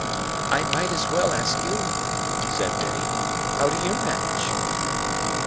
"I might as well ask you," said Biddy, "how you manage?"